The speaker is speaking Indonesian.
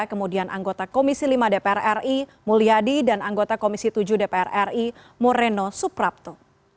kemudian anggota komisi lima dpr ri mulyadi dan anggota komisi tujuh dpr ri moreno suprapto